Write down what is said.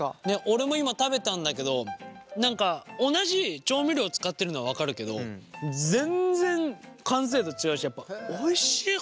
俺も今食べたんだけど何か同じ調味料使ってるのは分かるけど全然完成度違うしやっぱおいしい！